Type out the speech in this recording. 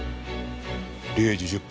０時１０分。